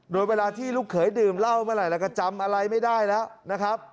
โดยเวลาที่ลูกเขยดื่มเหล้าเมื่อไหร่แล้วก็จำอะไรไม่ได้แล้วนะครับ